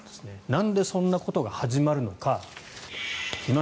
なんでそんなことが始まるのか。